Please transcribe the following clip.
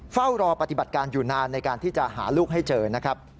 เฝ้ารอปฏิบัติการอยู่นานในการที่จะหาลูกให้เจอนะครับ